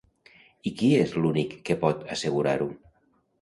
I qui és l'únic que pot assegurar-ho?